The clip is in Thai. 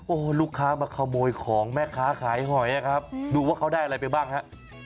โอ้โหลูกค้ามาขโมยของแม่ค้าขายหอยครับดูว่าเขาได้อะไรไปบ้างฮะ